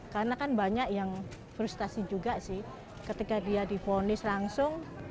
karena kan banyak yang frustasi juga sih ketika dia diponis langsung